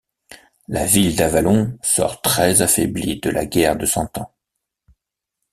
La ville d'Avallon sort très affaiblie de la Guerre de Cent Ans.